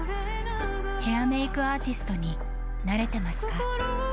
ヘアメイクアーティストになれてますか？